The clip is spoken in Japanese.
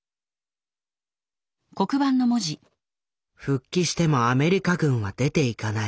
「復帰してもアメリカ軍は出ていかない」。